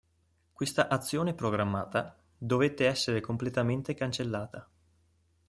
Questa azione programmata dovette essere completamente cancellata.